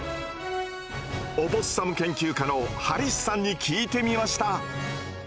オポッサム研究家のハリスさんに聞いてみました。